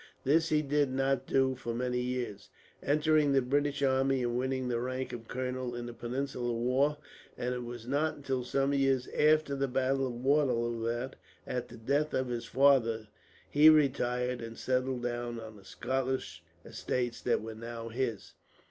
This he did not do for many years, entering the British army and winning the rank of colonel in the Peninsular war; and it was not until some years after the battle of Waterloo that, at the death of his father, he retired and settled down on the Scottish estates that were now his.